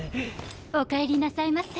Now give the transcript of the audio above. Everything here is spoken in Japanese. おかえりなさいませ。